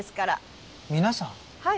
はい。